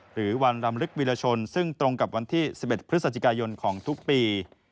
หรือวันรำลึกวิรชนซึ่งตรงกับวันที่๑๑พฤศจิกายนของทุกปี